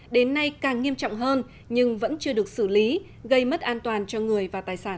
đến nay càng nghiêm trọng hơn nhưng vẫn chưa được xử lý gây mất an toàn cho người và tài sản